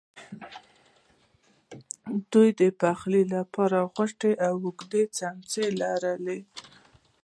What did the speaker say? دوی د پخلی لپاره غټې او اوږدې څیمڅۍ لرلې.